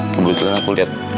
kebetulan aku lihat